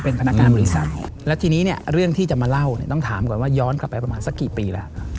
เป็นพนักงานบริษัทแล้วทีนี้เนี่ยเรื่องที่จะมาเล่าเนี่ยต้องถามก่อนว่าย้อนกลับไปประมาณสักกี่ปีแล้ว